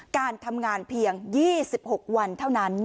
การทำงานเพียง๒๖วันเท่านั้น